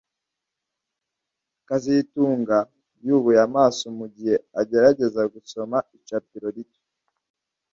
kazitunga yubuye amaso mugihe agerageza gusoma icapiro rito